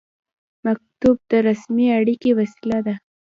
مکتوب د رسمي اړیکې وسیله ده